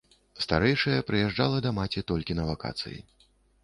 Старэйшая прыязджала да маці толькі на вакацыі.